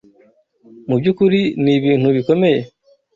Mu byukuri ni ibintu bikomeye?